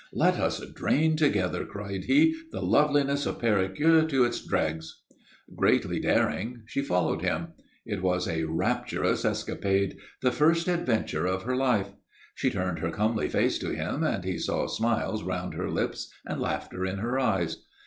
"Let us drain together," cried he, "the loveliness of Perigueux to its dregs!" Greatly daring, she followed him. It was a rapturous escapade the first adventure of her life. She turned her comely face to him and he saw smiles round her lips and laughter in her eyes.